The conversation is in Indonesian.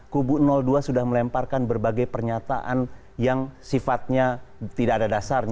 kubu dua sudah melemparkan berbagai pernyataan yang sifatnya tidak ada dasarnya